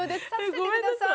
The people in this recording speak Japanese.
ごめんなさい。